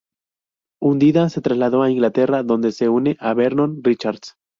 Hundida, se trasladó a Inglaterra donde se une a Vernon Richards.